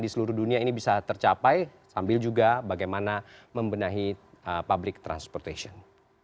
di seluruh dunia ini bisa tercapai sambil juga bagaimana membenahi public transportation